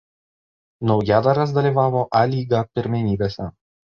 Naujadaras dalyvavo A lyga pirmenybėse.